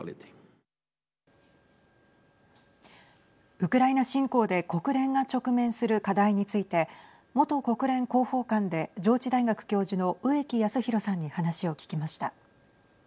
ウクライナ侵攻で国連が直面する課題について元国連広報官で上智大学教授の植木安弘さんに話を聞きました。